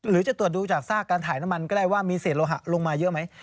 จะตรวจดูจากซากการถ่ายน้ำมันก็ได้ว่ามีเศษโลหะลงมาเยอะไหม